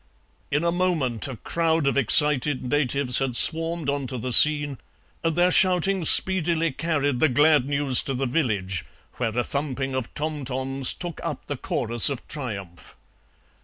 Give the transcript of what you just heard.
In a moment a crowd of excited natives had swarmed on to the scene, and their shouting speedily carried the glad news to the village, where a thumping of tom toms took up the chorus of triumph.